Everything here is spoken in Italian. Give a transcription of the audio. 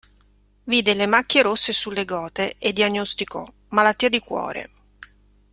Vide le macchie rosse sulle gote e diagnosticò: malattia di cuore.